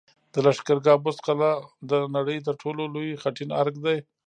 د لښکرګاه بست قلعه د نړۍ تر ټولو لوی خټین ارک دی